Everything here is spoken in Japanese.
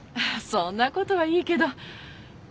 そんな事はいいけど。